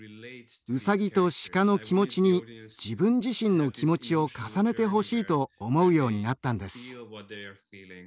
ウサギとシカの気持ちに自分自身の気持ちを重ねてほしいと思うようになったんです。